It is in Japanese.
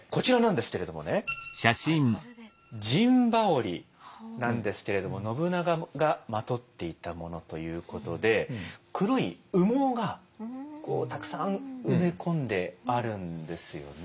陣羽織なんですけれども信長がまとっていたものということで黒い羽毛がたくさん埋め込んであるんですよね。